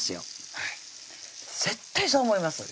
はい絶対そう思います